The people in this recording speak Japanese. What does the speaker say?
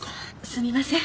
すみません